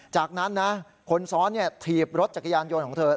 จากนั้นนะคนซ้อนถีบรถจักรยานยนต์ของเธอ